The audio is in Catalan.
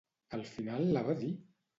Al final la va dir?